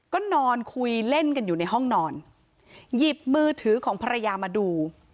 ก็นอนคุยเล่นกันอยู่ในห้องนอนหยิบมือถือของภรรยามาดู